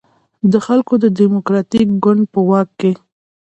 د خلکو دیموکراتیک ګوند په واک کې.